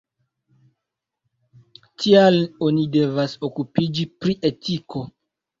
Tial oni devas okupiĝi pri etiko.